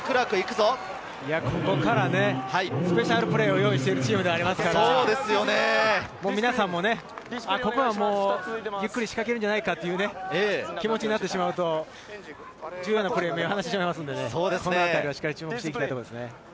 ここからね、スペシャルプレーを用意しているチームですから、皆さんもここは仕掛けるのではないかという気持ちになってしまうと、重要なプレーを見逃してしまいますので、注目していきたいですね。